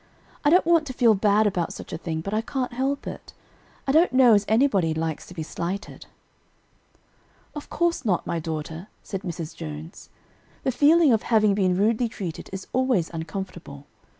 I don't want to feel bad about such a thing, but I can't help it. I don't know as anybody likes to be slighted." "Of course not, my daughter," said Mrs. Jones; "the feeling of having been rudely treated is always uncomfortable.